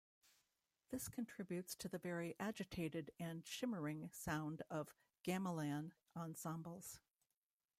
This contributes to the very "agitated" and "shimmering" sound of gamelan ensembles.